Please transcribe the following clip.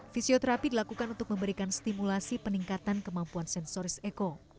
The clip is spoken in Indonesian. fisioterapi dilakukan untuk memberikan stimulasi peningkatan kemampuan sensoris eko